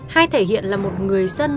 hai thể hiện là một người dân